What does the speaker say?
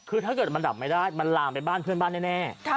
คือถ้าเกิดมันดับไม่ได้มันลามไปบ้านเพื่อนบ้านแน่